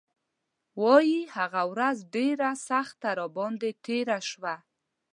وايي هغه ورځ ډېره سخته راباندې تېره شوه.